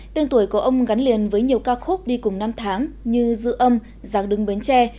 tên tuổi của ông gắn liền với nhiều ca khúc đi cùng năm tháng như dư âm giáng đứng bến tre